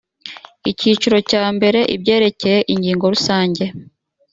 icyiciro cya mbere ibyerekeye ingingo rusange